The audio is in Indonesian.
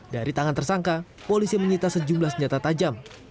dari tangan tersangka polisi menyita sejumlah senjata tajam